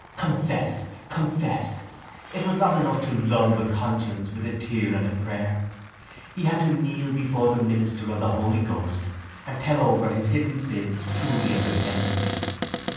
Confess! Confess! It was not enough to lull the conscience with a tear and a prayer. He had to kneel before the minister of the Holy Ghost and tell over his hidden sins truly and repentantly.